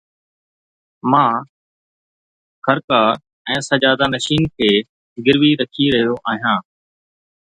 مان خرقه ۽ سجاده نشين کي گروي رکي رهيو آهيان